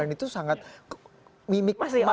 dan itu sangat mimik